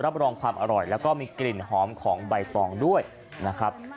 รับรองความอร่อยแล้วก็มีกลิ่นหอมของใบตองด้วยนะครับ